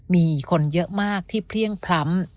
มีคนเยอะมากที่เพลี่ยงพล้ำ